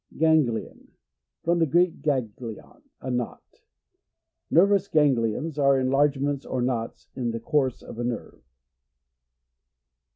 Ganglion. — From the Greek, gagg lion, a knot. Nervous ganglions are enlargements or knots in the course of a nerve.